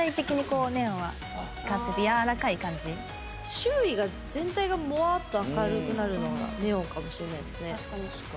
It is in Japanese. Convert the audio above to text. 周囲が全体がモワッと明るくなるのがネオンかもしれないですね。